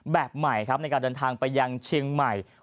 แบบใหม่ครับในการเดินทางไปยังเชียงใหม่